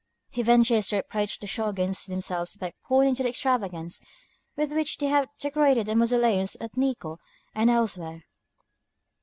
He ventures to reproach the Shōguns themselves by pointing to the extravagance with which they have decorated the mausoleums at Nikkō and elsewhere.